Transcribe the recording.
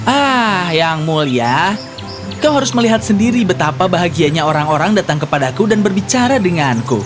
ah yang mulia kau harus melihat sendiri betapa bahagianya orang orang datang kepadaku dan berbicara denganku